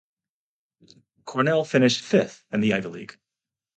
Cornell finished fifth in the Ivy League.